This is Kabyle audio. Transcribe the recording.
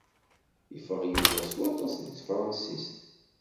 Ifeɣ Yuba s waṭas di tefransist.